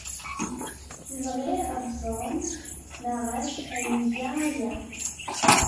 Bɣiɣ ad teẓrem maɣef ay nga aya.